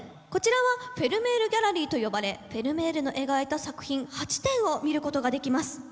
こちらはフェルメールギャラリーと呼ばれフェルメールの描いた作品８点を見ることができます。